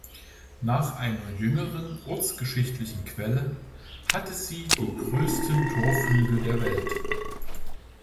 Nach einer jüngeren ortsgeschichtlichen Quelle hatte sie die größten Torflügel der Welt.